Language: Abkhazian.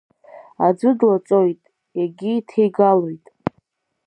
Аӡәы длаҵоит, егьы иҭеигалоит.